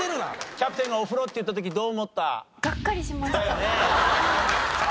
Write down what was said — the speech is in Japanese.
キャプテンがお風呂って言った時どう思った？だよね。